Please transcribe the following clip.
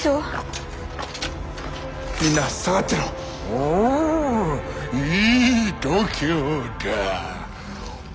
ほういい度胸だ。